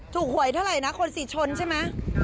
หวยเท่าไหร่นะคนสิชนใช่ไหม